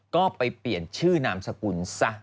ก็ไปเปลี่ยนชื่อนามสกุลซะ